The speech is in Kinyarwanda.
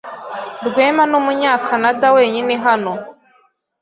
Rwema numunyakanada wenyine hano.